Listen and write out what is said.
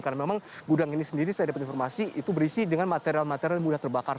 karena memang gudang ini sendiri saya dapat informasi itu berisi dengan material material yang sudah terbakar